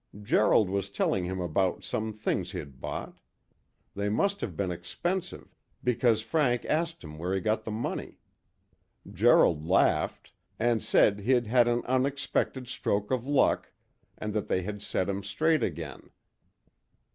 Gerald was telling him about some things he'd bought; they must have been expensive, because Frank asked him where he got the money. Gerald laughed, and said he'd had an unexpected stroke of luck that had set him straight again.